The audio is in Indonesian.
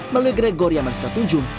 melalui gregoria menanggung